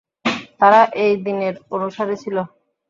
তারা এই দীনের অনুসারী ছিল।